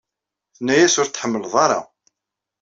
Tenna-yas ur t-tḥemmel ara.